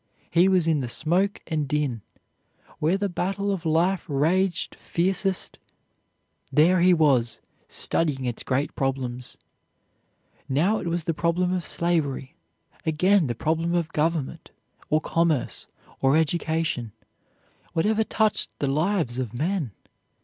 He was in the smoke and din. Where the battle of life raged fiercest, there he was studying its great problems. Now it was the problem of slavery; again the problem of government, or commerce, or education, whatever touched the lives of men.